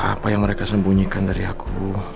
apa yang mereka sembunyikan dari aku